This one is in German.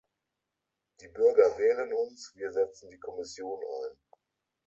Die Bürger wählen uns, wir setzen die Kommission ein.